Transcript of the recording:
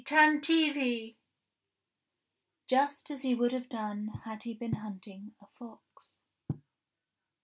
Tantivy !" just as he would have done had he been hunting a fox.